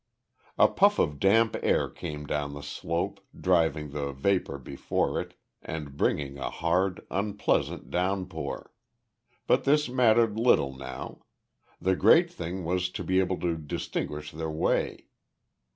A puff of damp air came down the slope, driving the vapour before it, and bringing a hard, unpleasant downpour. But this mattered little now. The great thing was to be able to distinguish their way.